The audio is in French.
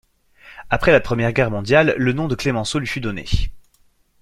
Après la Première Guerre Mondiale, le nom de Clemenceau lui fut donné.